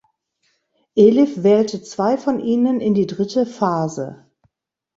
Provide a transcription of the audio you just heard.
Elif wählte zwei von ihnen in die dritte Phase.